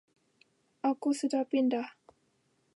Aku sudah pindah.